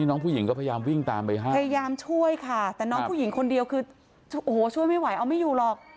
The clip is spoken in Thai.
โอ้โหช่วยไม่ไหวเอาไม่อยู่หลอก